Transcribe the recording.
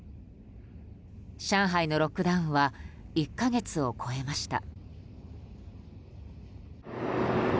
上海のロックダウンは１か月を超えました。